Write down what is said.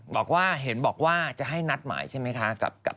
บอกว่าเห็นบอกว่าจะให้นัดหมายใช่ไหมคะ